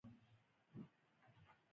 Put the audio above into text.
د بسته بندۍ صنعت څنګه دی؟